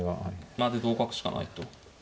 まあで同角しかないと。